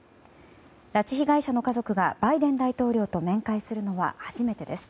拉致被害者の家族がバイデン大統領と面会するのは初めてです。